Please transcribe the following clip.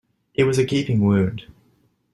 It was a gaping wound.